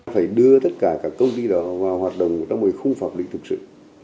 phải đưa tất cả các công ty đó vào hoạt động trong cái khung pháp lý thực sự